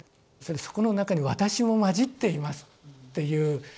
「そこのなかにわたしもまじっています」っていう。